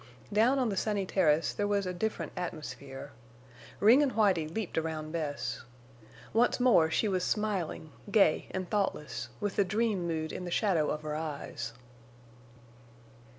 Down on the sunny terrace there was a different atmosphere. Ring and Whitie leaped around Bess. Once more she was smiling, gay, and thoughtless, with the dream mood in the shadow of her eyes.